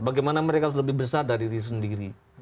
bagaimana mereka harus lebih besar dari diri sendiri